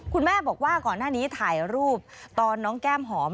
คุณแม่บอกว่าก่อนหน้านี้ถ่ายรูปตอนน้องแก้มหอม